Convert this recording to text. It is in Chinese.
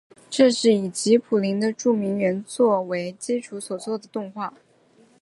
这是以吉卜林的著名原作为基础所做的动画。